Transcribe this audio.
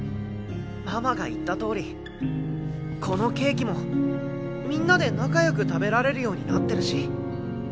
ママが言ったとおりこのケーキもみんなで仲よく食べられるようになってるし。